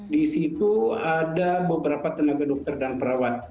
di situ ada beberapa tenaga dokter dan perawat